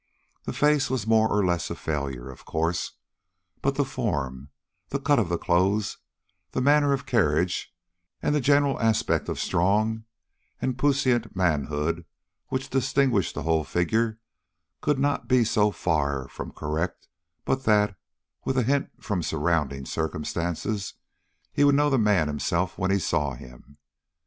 The face was more or less a failure, of course, but the form, the cut of the clothes, the manner of carriage, and the general aspect of strong and puissant manhood which distinguished the whole figure, could not be so far from correct but that, with a hint from surrounding circumstances, he would know the man himself when he saw him.